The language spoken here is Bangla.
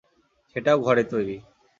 সেটাও ঘরে তৈরি।